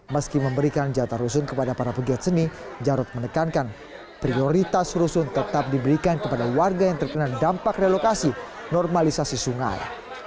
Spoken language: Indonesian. meski memberikan jatah rusun kepada para pegiat seni jarod menekankan prioritas rusun tetap diberikan kepada warga yang terkena dampak relokasi normalisasi sungai